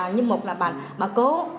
nhưng một là bà cố